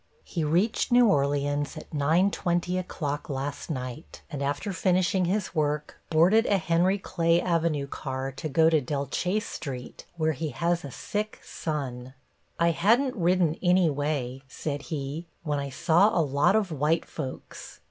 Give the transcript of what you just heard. He reached New Orleans at 9:20 o'clock last night, and after finishing his work, boarded a Henry Clay Avenue car to go to Delachaise Street, where he has a sick son. "I hadn't ridden any way," said he, "when I saw a lot of white folks.